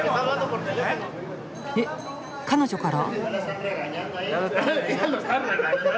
えっ彼女から！？